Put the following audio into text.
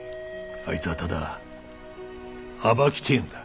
あいつはただ暴きてえんだ。